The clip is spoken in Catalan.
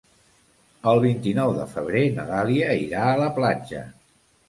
El vint-i-nou de febrer na Dàlia irà a la platja.